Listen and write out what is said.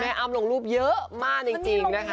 อ้ำลงรูปเยอะมากจริงนะคะ